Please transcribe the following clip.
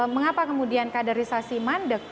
mengapa kemudian kadarisasi mandek